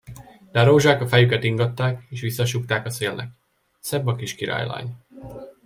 De a rózsák a fejüket ingatták, és visszasúgták a szélnek: Szebb a kis királylány!